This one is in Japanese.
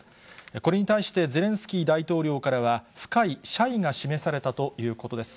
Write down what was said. これに対してゼレンスキー大統領からは、深い謝意が示されたということです。